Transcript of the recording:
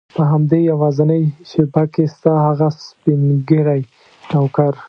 په همدې یوازینۍ شېبه کې ستا هغه سپین ږیری نوکر.